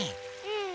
うん。